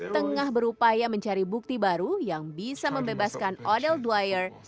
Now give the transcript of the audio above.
tengah berupaya mencari bukti baru yang bisa membebaskan odel dwire